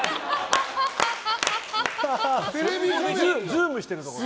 ズームしてるところ。